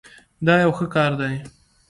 دا یو ښه کار دی.